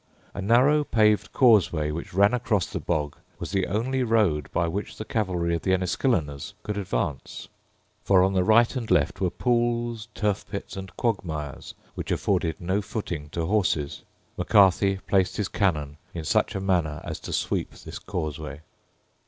A narrow paved causeway which ran across the bog was the only road by which the cavalry of the Enniskilleners could advance; for on the right and left were pools, turf pits, and quagmires, which afforded no footing to horses. Macarthy placed his cannon in such a manner as to sweep this causeway.